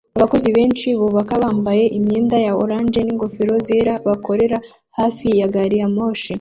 Abakozi benshi bubaka bambaye imyenda ya orange n'ingofero zera bakorera hafi ya gari ya moshi